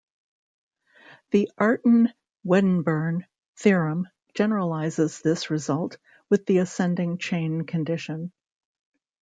The Artin-Wedderburn theorem generalises this result, with the ascending chain condition.